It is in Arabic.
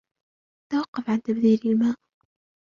توقف عن تبذير الماء